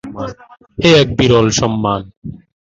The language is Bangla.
এ এক বিরল সম্মান।